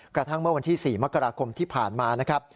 กระทั่งเมื่อวันที่๔มกราคมที่ผ่านมานะครับ